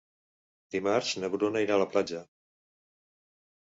Dimarts na Bruna irà a la platja.